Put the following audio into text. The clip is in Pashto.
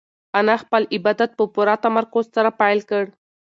انا خپل عبادت په پوره تمرکز سره پیل کړ.